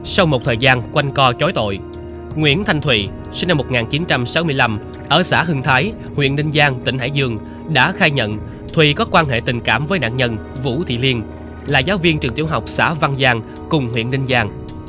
sau một thời gian quanh co chối tội nguyễn thanh thùy sinh năm một nghìn chín trăm sáu mươi năm ở xã hưng thái huyện ninh giang tỉnh hải dương đã khai nhận thùy có quan hệ tình cảm với nạn nhân vũ thị liên là giáo viên trường tiểu học xã văn giang cùng huyện ninh giang